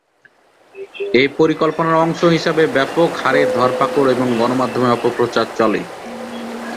এ পরিকল্পনার অংশ হিসেবে ব্যাপক হারে ধরপাকড় ও গণমাধ্যমে অপপ্রচার চলে।